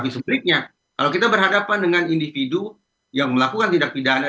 sebaliknya kalau kita berhadapan dengan individu yang melakukan tindak pidana